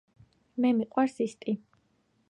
მე მიყვარს ისტი